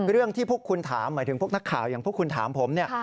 เรื่องที่พวกคุณถามหมายถึงพวกนักข่าวอย่างพวกคุณถามผมเนี่ย